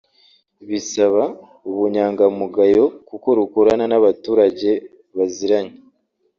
bisaba ubunyangamugayo kuko rukorana n’abaturage baziranye